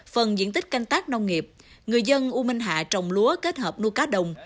phần diện tích canh tác nông nghiệp người dân u minh hạ trồng lúa kết hợp nuôi cá đồng